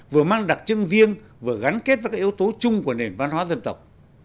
vừa mang đặc trưng riêng vừa gắn kết với các yếu tố chung của nền văn hóa dân tộc